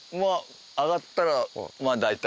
上がったらまあ大体。